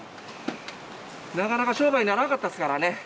なかなか商売にならなかったですからね